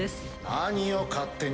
何を勝手に。